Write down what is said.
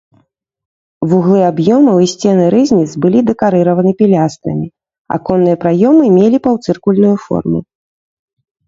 Вуглы аб'ёмаў і сцены рызніц былі дэкарыраваны пілястрамі, аконныя праёмы мелі паўцыркульную форму.